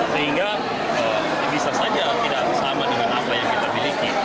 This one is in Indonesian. sehingga bisa saja tidak sama dengan apa yang kita miliki